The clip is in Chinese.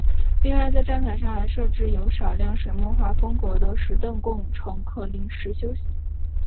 另外在站台上还设置有少量水墨画风格的石凳供乘客临时休息。